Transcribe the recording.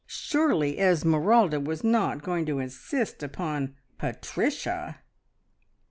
Surely Esmeralda was not going to insist upon "Patricia!"